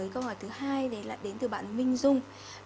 câu hỏi thứ hai đến từ bạn minh dung